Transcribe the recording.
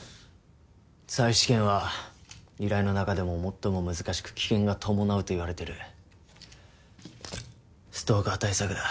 再試験は依頼の中でも最も難しく危険が伴うといわれてるストーカー対策だ。